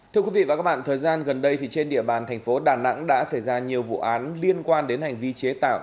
thưa quý vị và các bạn thời gian gần đây trên địa bàn thành phố đà nẵng đã xảy ra nhiều vụ án liên quan đến hành vi chế tạo